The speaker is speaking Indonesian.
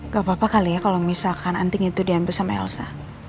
gak apa apa kali ya kalau misalkan anting itu diambil sama elsa